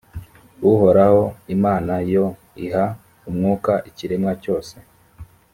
uhoraho, imana, yo iha umwuka ikiremwa cyose.